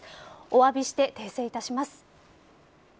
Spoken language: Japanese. おわびして訂正いたします。